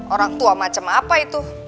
orang tua macam apa itu